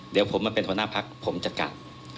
เดี๋ยวผมมาเป็นหัวหน้าพักผมจะกลับ